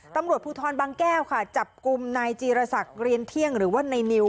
ตำรวจภูทรบางแก้วค่ะจับกลุ่มนายจีรศักดิ์เรียนเที่ยงหรือว่าในนิว